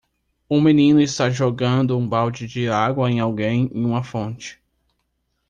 Um menino está jogando um balde de água em alguém em uma fonte.